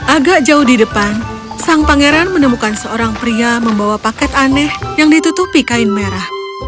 agak jauh di depan sang pangeran menemukan seorang pria membawa paket aneh yang ditutupi kain merah